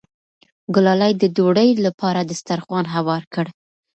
ګلالۍ د ډوډۍ لپاره دسترخوان هوار کړ.